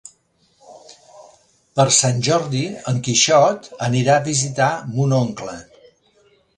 Per Sant Jordi en Quixot anirà a visitar mon oncle.